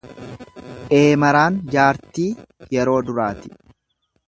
Eemaraan jaartii yeroo duraati.